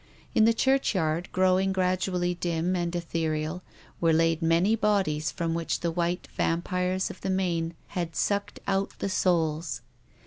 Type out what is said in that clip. In the churchyard, growing gradually dim and ethereal, were laid many bodies from which the white vam pires of the main had sucked out the souls.